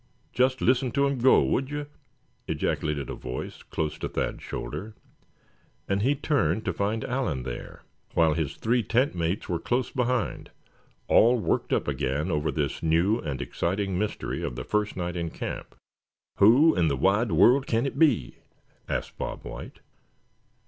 "Just listen to 'em go, would you?" ejaculated a voice close to Thad's shoulder, and he turned to find Allan there; while his three tent mates were close behind, all worked up again over this new and exciting mystery of the first night in camp. "Who in the wide world can it be?" asked Bob White.